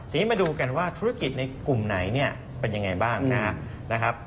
ทีนี้มาดูกันว่าธุรกิจในกลุ่มไหนเนี่ยเป็นยังไงบ้างนะครับ